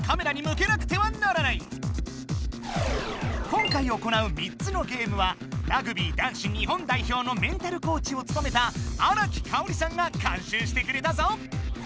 今回行う３つのゲームはラグビー男子日本代表のメンタルコーチをつとめた荒木香織さんがかんしゅうしてくれたぞ。